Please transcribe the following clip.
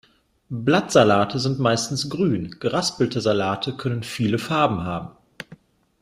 Blattsalate sind meistens grün, geraspelte Salate können viele Farben haben.